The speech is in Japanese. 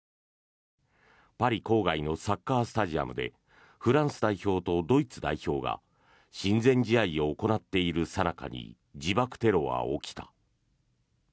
パリ郊外のサッカースタジアムでフランス代表とドイツ代表が親善試合を行っているさなかに自爆テロは起きた。